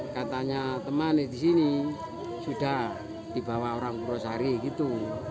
katanya teman di sini sudah dibawa orang purwosari gitu